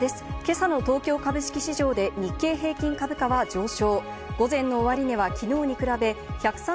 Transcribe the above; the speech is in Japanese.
今朝の東京株式市場で日経平均株価は上昇。